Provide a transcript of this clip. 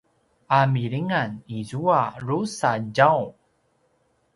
a milingan izua drusa djaum